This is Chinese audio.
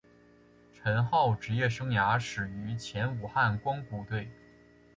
陈浩职业生涯始于前武汉光谷队。